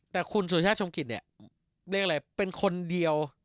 แต่คุณสุชาชมกิจเนี่ยเป็นคนเดียว